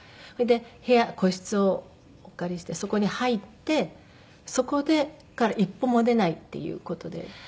それで部屋個室をお借りしてそこに入ってそこから一歩も出ないっていう事で。